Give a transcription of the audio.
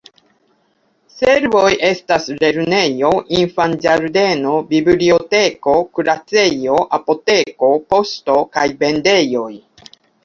Servoj estas lernejo, infanĝardeno, biblioteko, kuracejo, apoteko, poŝto kaj vendejoj.